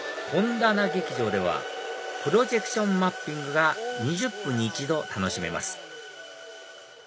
本棚劇場ではプロジェクションマッピングが２０分に１度楽しめます